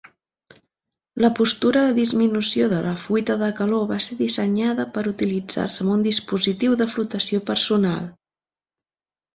La postura de disminució de la fuita de calor va ser dissenyada per utilitzar-se amb un dispositiu de flotació personal.